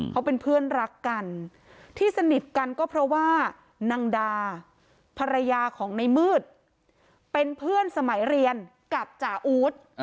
เขาเป็นเพื่อนรักกันที่สนิทกันก็เพราะว่านางดาภรรยาของในมืดเป็นเพื่อนสมัยเรียนกับจ่าอู๊ด